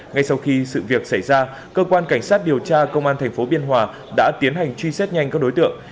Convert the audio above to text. ngay sau khi sự việc xảy ra cơ quan cảnh sát điều tra công an tp biên hòa đã tiến hành truy xét nhanh các đối tượng